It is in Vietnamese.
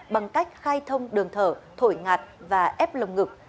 bằng cách khai thông đường thở thổi ngạt và ép lồng ngực